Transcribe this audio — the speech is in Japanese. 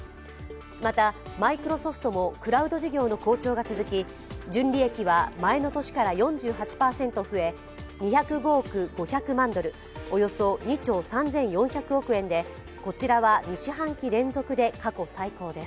また、マイクロソフトもクラウド事業の好調が続き純利益は、前の年から４８％増え２０５億５００万ドル、およそ２兆３４００億円で、こちらは２四半期連続で過去最高です。